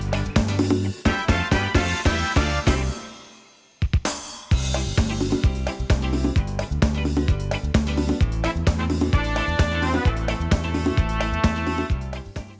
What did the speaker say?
อร่อย